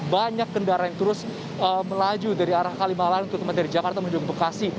banyak kendaraan yang terus melaju dari arah kalimalang terutama dari jakarta menuju ke bekasi